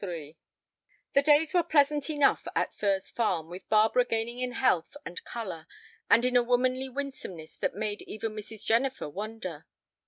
XLIII The days were pleasant enough at Furze Farm, with Barbara gaining in health and color, and in a womanly winsomeness that made even Mrs. Jennifer wonder.